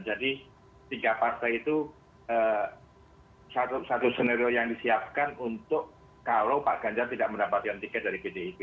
jadi tiga partai itu satu satu scenario yang disiapkan untuk kalau pak ganjar tidak mendapatkan tiket dari pdip